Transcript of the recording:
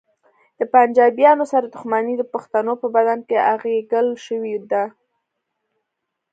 د پنجابیانو سره دښمني د پښتنو په بدن کې اغږل شوې ده